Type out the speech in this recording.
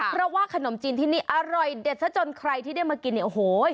เพราะว่าขนมจีนที่นี่อร่อยเด็ดซะจนใครที่ได้มากินเนี่ยโอ้โห